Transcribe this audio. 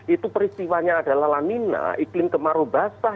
itu peristiwanya adalah lanina iklim kemaru basah